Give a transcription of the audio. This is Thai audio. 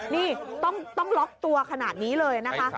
นี่ต้องล็อกตัวขนาดนี้เลยนะคะ